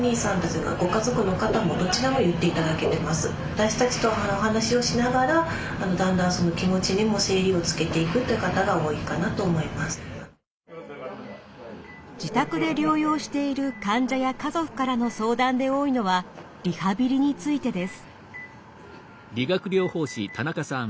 私たちと自宅で療養している患者や家族からの相談で多いのはリハビリについてです。